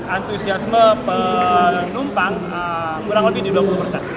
antusiasme penumpang kurang lebih di dua puluh persen